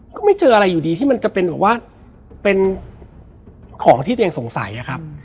ก็ไม่เจออะไรอยู่ดีที่มันจะเป็นของที่ตัวเองสงสัยครับ